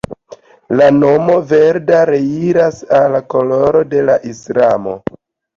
La nomo Verda reiras al koloro de la islamo.